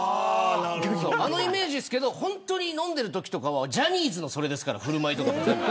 あのイメージですけど本当に飲んでいるときとかジャニーズのそれですから振る舞いとか。